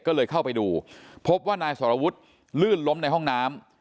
ก็เลยเข้าไปดูพบว่านายสรวุฒิลื่นล้มในห้องน้ำ